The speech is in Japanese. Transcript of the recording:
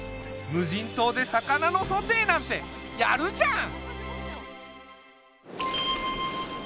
無人島で魚のソテーなんてやるじゃん！